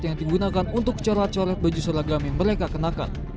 yang digunakan untuk corak coret baju seragam yang mereka kenakan